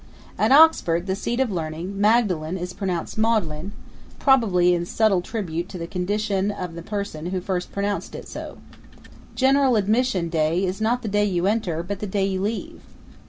At Oxford, the seat of learning, Magdalen is pronounced Maudlin, probably in subtle tribute to the condition of the person who first pronounced it so. General admission day is not the day you enter, but the day you leave.